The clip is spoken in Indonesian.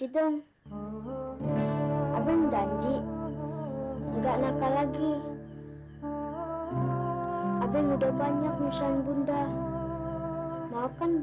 abeng kangen maaak